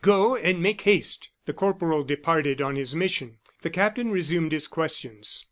Go, and make haste!" The corporal departed on his mission; the captain resumed his questions.